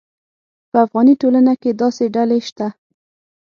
په افغاني ټولنه کې داسې ډلې شته.